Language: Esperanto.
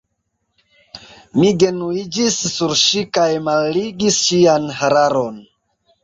Mi genuiĝis sur ŝi kaj malligis ŝian hararon.